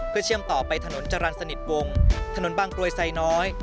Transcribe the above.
เพื่อเชื่อมต่อไปถนนจรรย์สนิทวงถนนบางกรวยไซน้อย